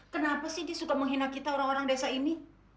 kenapa sih dia suka menghina kita orang orang desa ini